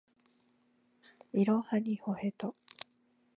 いろはにほへと